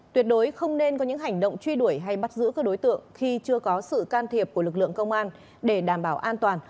tuyệt đối không nên có những hành động truy đuổi hay bắt giữ các đối tượng khi chưa có sự can thiệp của lực lượng công an